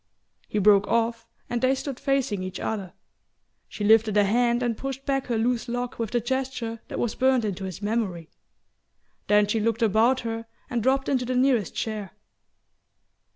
He broke off and they stood facing each other. She lifted a hand and pushed back her loose lock with the gesture that was burnt into his memory; then she looked about her and dropped into the nearest chair.